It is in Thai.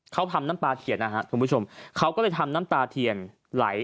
เขาทำน้ำตาเขียนนะฮะคุณผู้ชมเขาก็เลยทำน้ำตาเทียนไหล